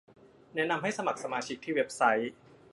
แนะนำให้สมัครสมาชิกที่เว็บไซต์